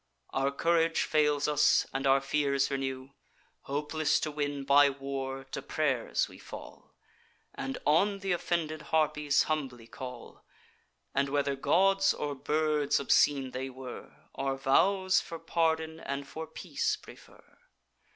Our courage fails us, and our fears renew. Hopeless to win by war, to pray'rs we fall, And on th' offended Harpies humbly call, And whether gods or birds obscene they were, Our vows for pardon and for peace prefer.